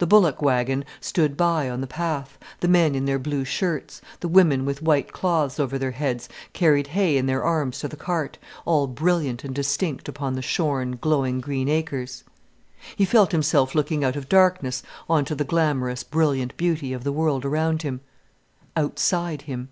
The bullock waggon stood by on the path, the men in their blue shirts, the women with white cloths over their heads carried hay in their arms to the cart, all brilliant and distinct upon the shorn, glowing green acres. He felt himself looking out of darkness on to the glamorous, brilliant beauty of the world around him, outside him.